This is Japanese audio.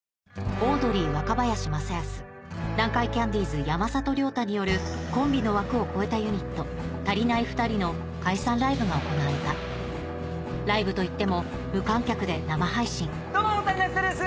オードリー・若林正恭南海キャンディーズ・山里亮太によるコンビの枠を越えたユニットたりないふたりの解散ライブが行われたライブといっても無観客で生配信どうもたりないふたりです！